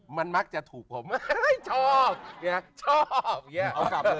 มันมักจะถูกผมกล่ามชอบ